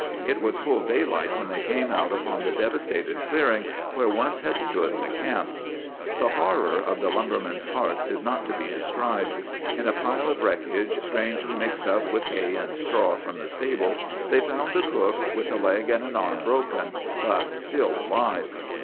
It was full daylight when they came out upon the devastated clearing where once had stood the camp. "The horror in the lumbermen's hearts is not to be described. In a pile of wreckage, strangely mixed up with hay and straw from the stable, they found the cook, with a leg and an arm broken, but still alive.